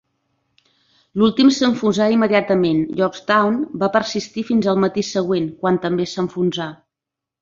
L'últim s'enfonsà immediatament; "Yorktown" va persistir fins el matí següent, quan també s'enfonsà.